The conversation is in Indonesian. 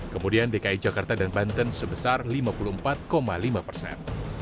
kemudian dki jakarta dan banten sebesar lima puluh empat lima persen